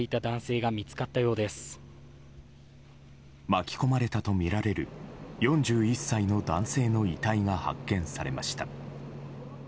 巻き込まれたとみられる４１歳の男性の遺体が発見されました。